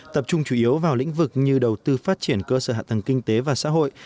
tập trung chủ yếu vào lĩnh vực như đầu tư phát triển cơ sở hạ tầng kinh tế và xã hội